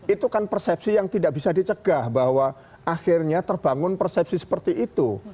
itu kan persepsi yang tidak bisa dicegah bahwa akhirnya terbangun persepsi seperti itu